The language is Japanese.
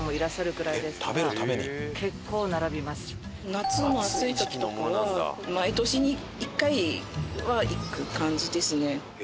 夏の暑い時とかは毎年に１回は行く感じですね。